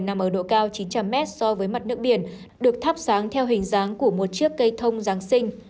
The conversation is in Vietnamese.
nằm ở độ cao chín trăm linh mét so với mặt nước biển được thắp sáng theo hình dáng của một chiếc cây thông giáng sinh